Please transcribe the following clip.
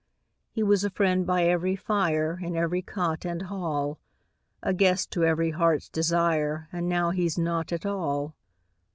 He was a friend by every fire, In every cot and hall A guest to every heart's desire, And now he's nought at all.